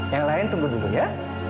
yang lain tunggu dulu ya